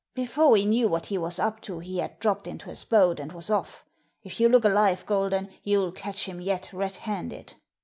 Before we knew what he was up to he had dropped into his boat and was off. If you look alive, Golden, you'll catch him yet, red handed.'